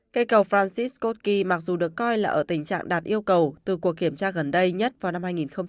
cây cầu francis kotki mặc dù được coi là ở tình trạng đạt yêu cầu từ cuộc kiểm tra gần đây nhất vào năm hai nghìn hai mươi ba